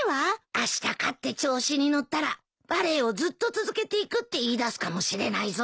あした勝って調子に乗ったらバレーをずっと続けていくって言いだすかもしれないぞ。